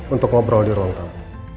untuk ngobrol di rontang